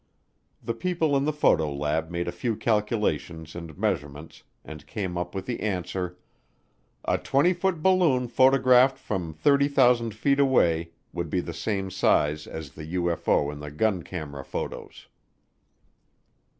The people in the photo lab made a few calculations and measurements and came up with the answer, "A 20 foot balloon photographed from 30,000 feet away would be the same size as the UFO in the gun camera photos."